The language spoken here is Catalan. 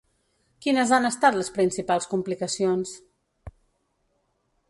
Quines han estat les principals complicacions?